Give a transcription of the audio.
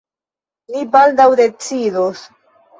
Ni baldaŭ decidos.